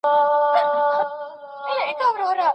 په ګڼ ډګر کي مړ سړی او ږیره ښکاره سوي وو.